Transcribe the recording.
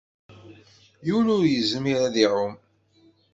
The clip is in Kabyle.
Yiwen ur yezmir ad iɛum.